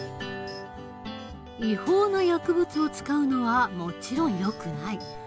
違法な薬物を使うのはもちろんよくない。